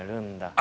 あ！